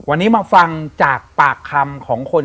วันนี้มาฟังจากปากคำของคน